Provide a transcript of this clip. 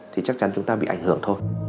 thì chắc chắn chúng ta bị ảnh hưởng thôi